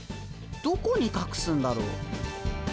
どこにかくすんだろう？